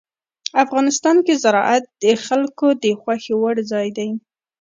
افغانستان کې زراعت د خلکو د خوښې وړ ځای دی.